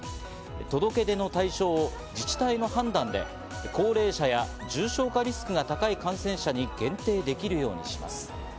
届け出の対象を自治体の判断で高齢者や重症化リスクが高い感染者に限定できるようにします。